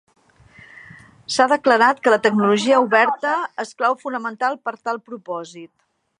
S'ha declarat que la tecnologia oberta és una clau fonamental per a tal propòsit.